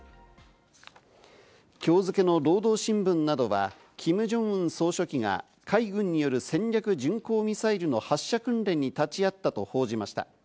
今日付けの労働新聞などは、キム・ジョンウン総書記が海軍による戦略巡航ミサイルの発射訓練に立ち会ったと報じました。